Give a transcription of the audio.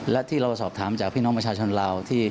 และที่เราสอบถามจากพี่น้องประชาชนลาว